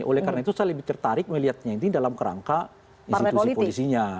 oleh karena itu saya lebih tertarik melihatnya ini dalam kerangka institusi polisinya